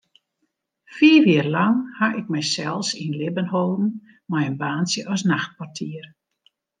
Fiif jier lang ha ik mysels yn libben holden mei in baantsje as nachtportier.